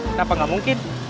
kenapa gak mungkin